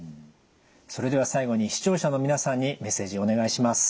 それでは最後に視聴者の皆さんにメッセージお願いします。